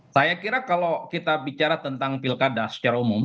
saya kira kalau kita bicara tentang pilkada secara umum